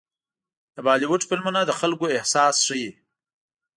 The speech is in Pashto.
د بالیووډ فلمونه د خلکو احساس ښيي.